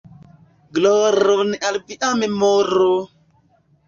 Gloron al via memoro!".